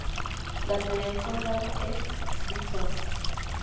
La sede del condado es Dickinson.